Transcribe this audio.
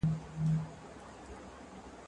زه به سبا د تکړښت لپاره ځم!؟